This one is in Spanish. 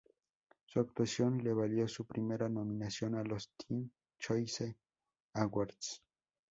Su actuación le valió su primera nominación a los Teen Choice Awards.